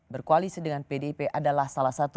berkualisi dengan pdp adalah salah satu